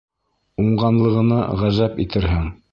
Уңғанлығына ғәжәп итерһең.